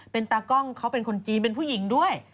เป็นตากล้องเขาเป็นคนจีนเป็นผู้หญิงด้วย